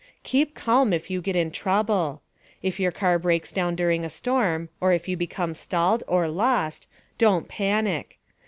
* KEEP CALM IF YOU GET IN TROUBLE. If your car breaks down during a storm, or if you become stalled or lost, don't panic.